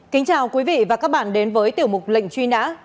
kính chào quý vị và các bạn đến với tiểu mục lệnh truy nã